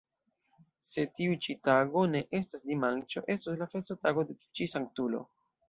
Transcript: Se tiu ĉi tago ne estas dimanĉo, estos la festotago de tiu ĉi Sanktulo.